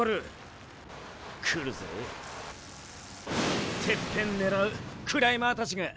来るぜ頂上狙うクライマーたちが！